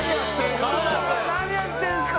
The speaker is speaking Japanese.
何やってんすか。